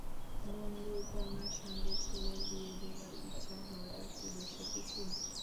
বন্ধুর কন্যার সঙ্গে ছেলের বিয়ে দেবার ইচ্ছা হওয়াটা কি দোষের কিছু?